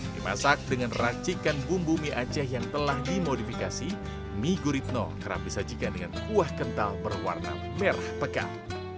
dimasak dengan racikan bumbu mie aceh yang telah dimodifikasi mie guritno kerap disajikan dengan kuah kental berwarna merah pekat